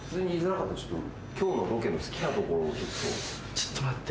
・ちょっと待って。